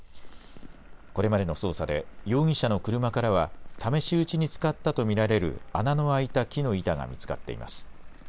これまでの捜査で容疑者の車からは試し撃ちに使ったと見られる穴の開いた木の板が見つかっています。